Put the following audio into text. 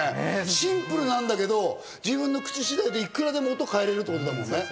シンプルなんだけど、自分の口次第でいくらでも音を変えられるってことだもんね。